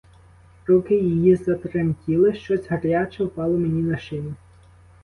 Руки її затремтіли, щось гаряче впало мені на шию.